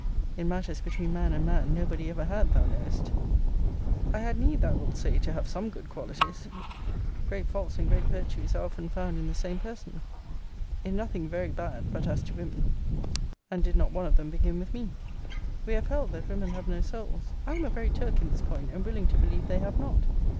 In matters between man and man nobody ever had, thou knowest. I had need, thou wilt say, to have some good qualities. Great faults and great virtues are often found in the same person. In nothing very bad, but as to women: and did not one of them begin with me.* * See Vol. I. Letter XXXI. We have held, that women have no souls. I am a very Turk in this point, and willing to believe they have not.